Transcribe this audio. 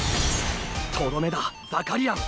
とどめだザカリアン。